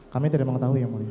kami tidak mau tahu ya muridnya